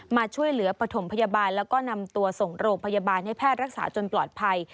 มาช่วยเหลือปฐมพยาบาลแล้วก็นำตัวส่งโรงพยาบาลให้แพทย์รักษาจนปลอดภัย